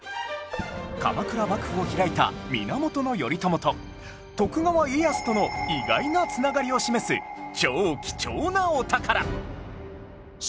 鎌倉幕府を開いた源頼朝と徳川家康との意外な繋がりを示す超貴重なお宝